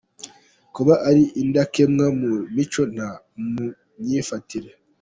Kuba ari indakemwa mu mico no mu myifatire.